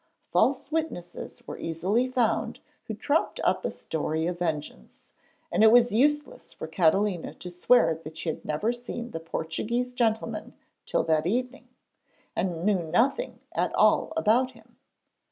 False witnesses were easily found who trumped up a story of vengeance, and it was useless for Catalina to swear that she had never seen the Portuguese gentleman till that evening, and knew nothing at all about him.